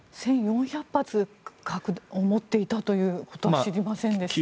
１４００発核を持っていたということは知りませんでした。